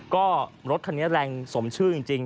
ก็รถคันนี้แรงสมชื่อจริง